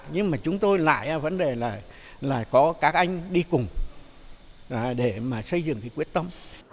nhưng mà chúng tôi lại vấn đề là có các anh đi cùng để mà xây dựng cái quyết tâm